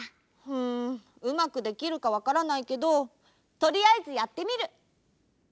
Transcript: んうまくできるかわからないけどとりあえずやってみる！